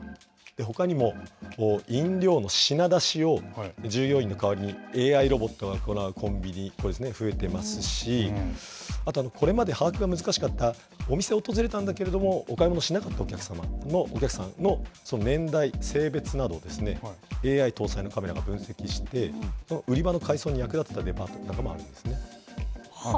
ほかにも、飲料の品出しを従業員の代わりにＡＩロボットが行うコンビニ、増えていますし、あとこれまで把握が難しかった、お店を訪れたんだけれども、お買い物をしなかったお客様の、お客さんの年代、性別などをですね、ＡＩ搭載のカメラが分析して、売り場の改装に役立てたデパートもあるんですね。